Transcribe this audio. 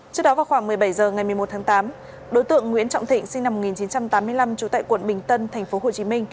trước đó vào khoảng một mươi bảy h ngày một mươi một tháng tám đối tượng nguyễn trọng thịnh sinh năm một nghìn chín trăm tám mươi năm trú tại quận bình tân tp hcm